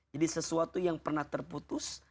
jadi sesuatu yang pernah terputus